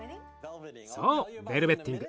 ベルベッティング？